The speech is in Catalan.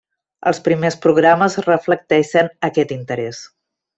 Els primers programes reflecteixen aquest interès.